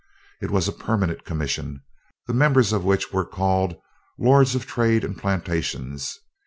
It was a permanent commission, the members of which were called "Lords of Trade and Plantations."